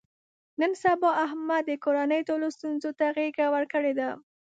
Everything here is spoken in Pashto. نن سبا احمد د کورنۍ ټولو ستونزو ته غېږه ورکړې ده.